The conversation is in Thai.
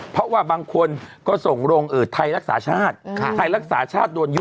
เพราะว่าบางคนก็ส่งลงไทยรักษาชาติไทยรักษาชาติโดนยุบ